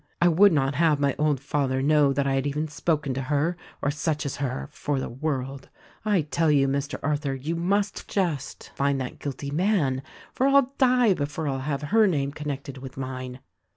I would not have my old father know that I had even spoken to her or such as her for the world. I tell you, Mr. Arthur, you must just find that guilty man ; for I'll die before I'll have her name connected with mine."